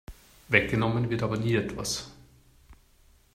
Weggenommen wird aber nie etwas.